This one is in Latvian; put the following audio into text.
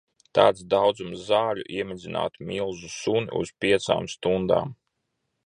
Tāds daudzums zaļu iemidzinātu milzu suni uz piecām stundām.